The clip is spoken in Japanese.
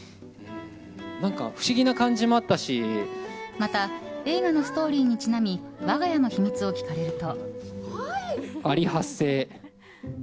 また映画のストーリーにちなみ我が家の秘密を聞かれると。